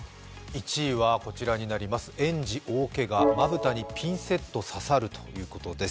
１位はこちら、園児大けがまぶたにピンセット刺さるということです。